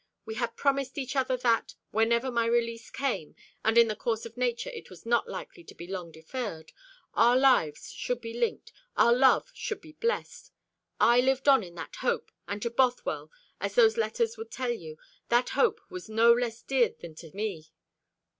We had promised each other that, whenever my release came and in the course of nature it was not likely to be long deferred our lives should be linked, our love should be blest. I lived on that hope, and to Bothwell, as those letters would tell you, that hope was no less dear than to me.